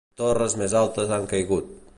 Torres més altes han caigut.